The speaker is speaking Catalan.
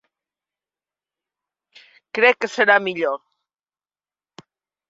Crec que serà millor.